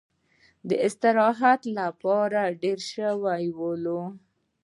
د استراحت لپاره دېره شولو.